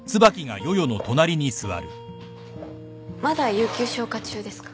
まだ有給消化中ですか？